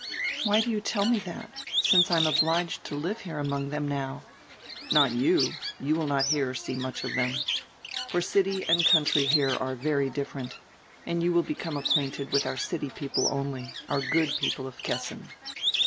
"Why do you tell me that, since I am obliged to live here among diem now?" "Not you. You will not hear or see much of diem. For city and country are here very different, and you will become acquainted with our city people only, our good people of Kessin."